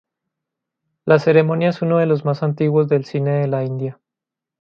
La ceremonia es uno de los más antiguos del cine de la India.